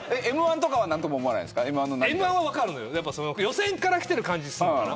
予選から来てる感じすんのかな。